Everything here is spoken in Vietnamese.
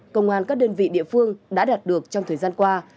công an các đơn vị địa phương đã đạt được trong thời gian qua